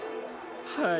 はい。